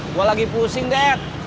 gua lagi pusing de